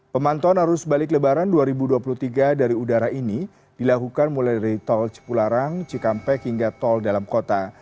pemantauan arus balik lebaran dua ribu dua puluh tiga dari udara ini dilakukan mulai dari tol cipularang cikampek hingga tol dalam kota